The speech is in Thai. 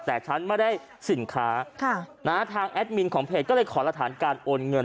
แต่ฉันไม่ได้สินค้าทางแอดมินของเพจก็เลยขอหลักฐานการโอนเงิน